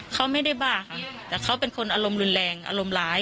เขาไม่ได้บ้าค่ะแต่เขาเป็นคนอารมณ์รุนแรงอารมณ์ร้าย